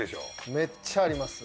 めっちゃあります。